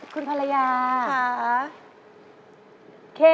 คุณภรรยาค่ะค่ะ